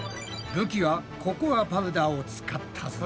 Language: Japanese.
るきはココアパウダーを使ったぞ。